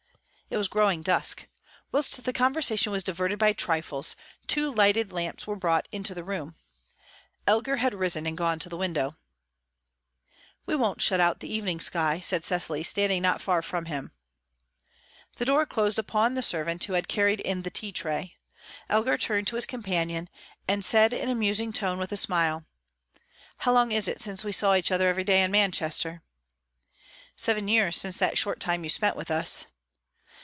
It was growing dusk. Whilst the conversation was diverted by trifles, two lighted lamps were brought into the room. Elgar had risen and gone to the window. "We won't shut out the evening sky," said Cecily, standing not far from him. The door closed upon the servant who had carried in the tea tray. Elgar turned to his companion, and said in a musing tone, with a smile: "How long is it since we saw each other every day in Manchester?" "Seven years since that short time you spent with us."